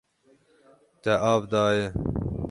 Te av daye.